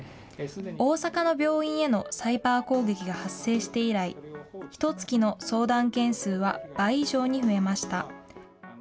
大阪の病院へのサイバー攻撃が発生して以来、ひとつきの相談件数は倍以上に増えました。